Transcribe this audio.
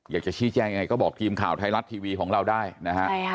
อยากจะชี้แจ้งยังไงก็บอกทีมข่าวไทยรัฐทีวีของเราได้นะฮะ